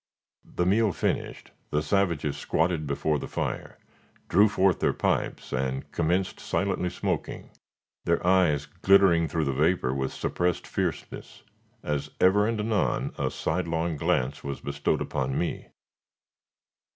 The meal finished, the savages squatted before the fire, drew forth their pipes and commenced silently smoking, their eyes glittering through the vapor with suppressed fierceness, as ever and anon a sidelong glance was bestowed upon me.